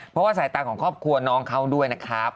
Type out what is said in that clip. เพราะว่าสายตาของครอบครัวน้องเขาด้วยนะครับ